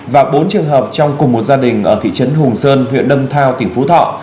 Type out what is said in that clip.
và bốn trường hợp trong cùng một gia đình ở thị trấn hùng sơn huyện lâm thao tỉnh phú thọ